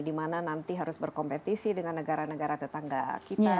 dimana nanti harus berkompetisi dengan negara negara tetangga kita